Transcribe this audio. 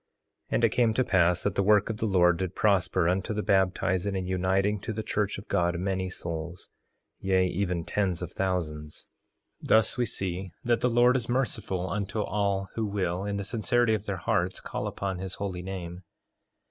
3:26 And it came to pass that the work of the Lord did prosper unto the baptizing and uniting to the church of God, many souls, yea, even tens of thousands. 3:27 Thus we may see that the Lord is merciful unto all who will, in the sincerity of their hearts, call upon his holy name.